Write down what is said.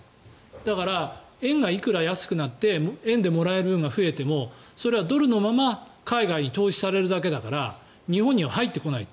だから、円がいくら安くなって円でもらえる分が増えてもそれはドルのまま海外に投資されるだけだから日本には入ってこない。